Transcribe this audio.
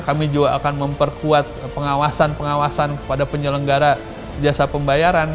kami juga akan memperkuat pengawasan pengawasan kepada penyelenggara jasa pembayaran